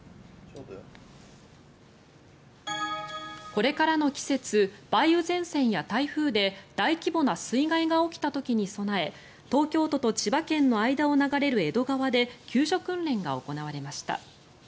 これからの季節梅雨前線や台風で大規模な水害が起きた時に備え東京都と千葉県の間を流れる江戸川で救助訓練が行われました。